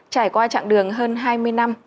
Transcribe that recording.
trải qua chặng đường hơn hai mươi năm